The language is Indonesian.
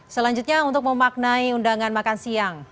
selanjutnya untuk memaknai undangan makan siang